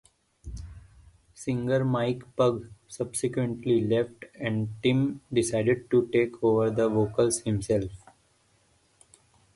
Singer Mick Pugh subsequently left and Tim decided to take over the vocals himself.